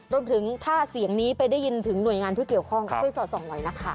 รวมถึงถ้าเสียงนี้ไปได้ยินถึงหน่วยงานที่เกี่ยวข้องก็ช่วยสอดส่องไว้นะคะ